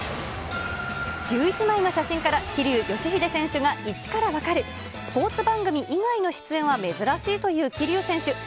１１枚の写真から桐生祥秀選手が１から分かる、スポーツ番組以外の出演は珍しいという桐生選手。